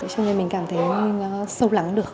cho nên mình cảm thấy sâu lắng được